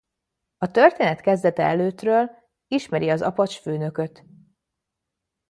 A történet kezdete előttről ismeri az apacs főnököt.